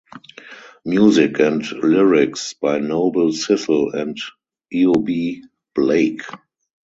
Music and lyrics by Noble Sissle and Eubie Blake.